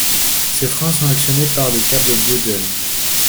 Ces freins sont actionnés par des câbles Bowden.